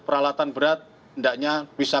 peralatan berat hendaknya bisa